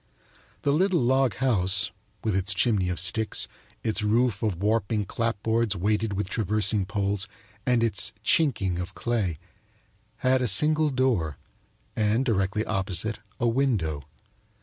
The little log house, with its chimney of sticks, its roof of warping clapboards weighted with traversing poles and its "chinking" of clay, had a single door and, directly opposite, a window.